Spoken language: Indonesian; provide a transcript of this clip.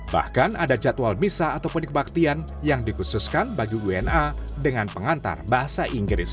bahkan ada jadwal misah atau penyekpaktian yang dikhususkan bagi una dengan pengantar bahasa inggris